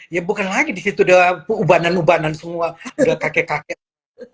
ya bukan lagi di situ udah ubanan ubanan semua udah kakek kakek